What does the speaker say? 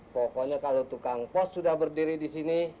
pokoknya kalau tukang pos sudah berdiri di sini